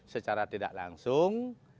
secara tidak langsung